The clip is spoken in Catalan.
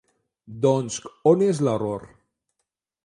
Doncs on és l'error?